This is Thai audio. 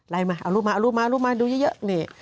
ไล่มาเอารูปมาดูเยอะนี่